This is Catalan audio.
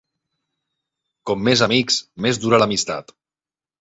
Com més amics, més dura l'amistat.